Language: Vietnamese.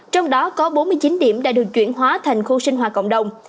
trong đó có bốn mươi chín điểm đã được chuyển hóa thành khu sinh hoạt cộng đồng